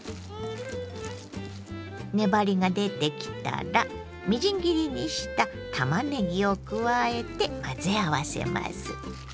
粘りが出てきたらみじん切りにしたたまねぎを加えて混ぜ合わせます。